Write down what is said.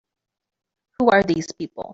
Who are these people?